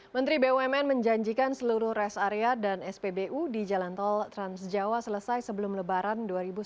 menteri bumn menjanjikan seluruh rest area dan spbu di jalan tol transjawa selesai sebelum lebaran dua ribu sembilan belas